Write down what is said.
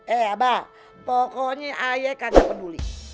eh abah pokoknya aya kagak peduli